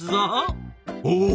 おお！